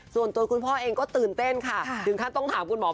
ส่วนตัวคุณพ่อเองก็ตื่นเต้นค่ะถึงขั้นต้องถามคุณหมอ